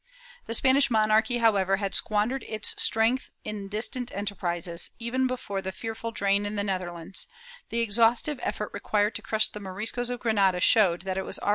The Spanish monarchy, however, had squandered its strength on distant enterprises; even before the fearful drain in the Netherlands, the exhaustive effort required to crush the Moriscos of Granada showed that it was already > Nueva Recop.